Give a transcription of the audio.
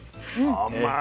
甘い。